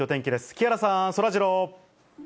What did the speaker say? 木原さん、そらジロー。